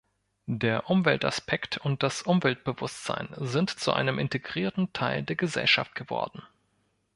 Der Umweltaspekt und das Umweltbewusstsein sind zu einem integrierten Teil der Gesellschaft geworden.